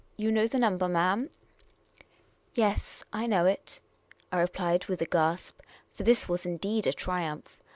You know the number, ma'am ?"Yes, I know it," I replied, with a gasp ; for this was in deed a triumph.